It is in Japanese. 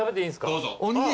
どうぞ。